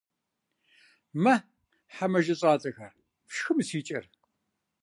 Мэ, хьэ мэжэщӀалӀэхэ, фшхы мы си кӀэр.